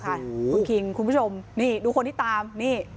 คุณคิงคุณผู้ชมนี่ดูคนที่ตามนี่